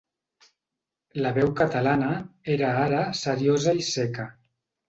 La veu catalana era ara seriosa i seca.